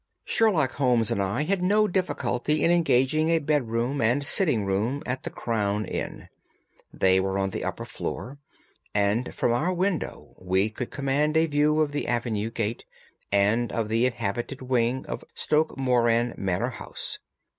Sherlock Holmes and I had no difficulty in engaging a bedroom and sitting room at the Crown Inn. They were on the upper floor, and from our window we could command a view of the avenue gate, and of the inhabited wing of Stoke Moran Manor House.